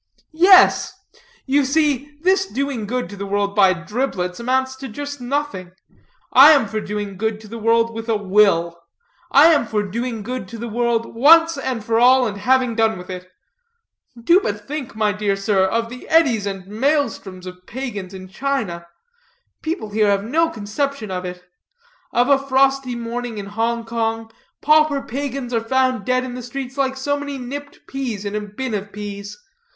"Yes. You see, this doing good to the world by driblets amounts to just nothing. I am for doing good to the world with a will. I am for doing good to the world once for all and having done with it. Do but think, my dear sir, of the eddies and maëlstroms of pagans in China. People here have no conception of it. Of a frosty morning in Hong Kong, pauper pagans are found dead in the streets like so many nipped peas in a bin of peas.